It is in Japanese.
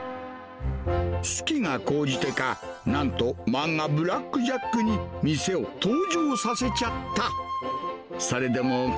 好きがこうじてか、なんと、漫画、ブラック・ジャックに店を登場させちゃった。